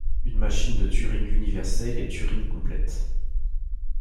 Une machine de Turing universelle est Turing-complète.